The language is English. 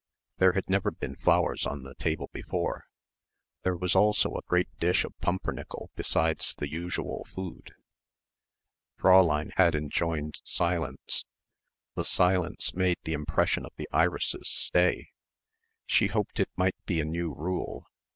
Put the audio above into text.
There had never been flowers on the table before. There was also a great dish of pumpernickel besides the usual food. Fräulein had enjoined silence. The silence made the impression of the irises stay. She hoped it might be a new rule.